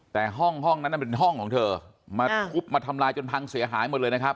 แต่ห้องห้องนั้นเป็นห้องของเธอมาทุบมาทำลายจนพังเสียหายหมดเลยนะครับ